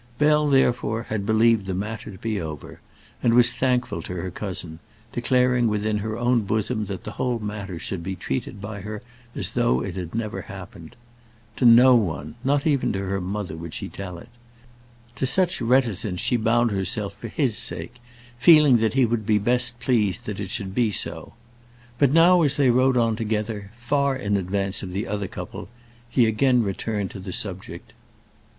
Bell, therefore, had believed the matter to be over, and was thankful to her cousin, declaring within her own bosom that the whole matter should be treated by her as though it had never happened. To no one, not even to her mother, would she tell it. To such reticence she bound herself for his sake, feeling that he would be best pleased that it should be so. But now as they rode on together, far in advance of the other couple, he again returned to the subject.